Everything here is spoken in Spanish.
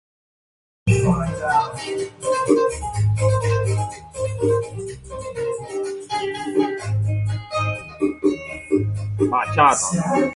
Esta turbina impulsa la bombas de alimentación.